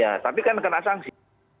ya tapi kan kena sanksi